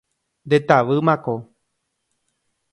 Ndetavýmako.